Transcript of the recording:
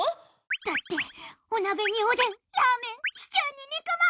だっておなべにおでんラーメンシチューに肉まん。